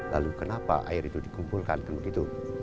lalu kenapa air itu dikumpulkan kan begitu